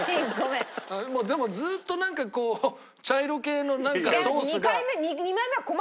でもずっとなんかこう茶色系のなんかソースが。